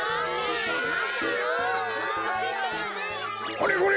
これこれ！